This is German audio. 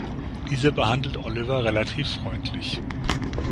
Dieser behandelt Oliver relativ freundlich.